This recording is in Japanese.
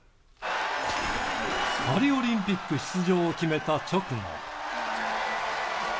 パリオリンピック出場を決めた直後。